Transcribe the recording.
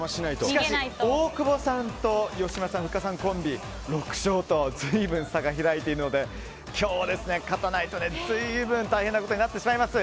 大久保さんと吉村さん・ふっかさんコンビ６勝と随分、差が開いているので今日勝たないと随分大変なことになってしまいます。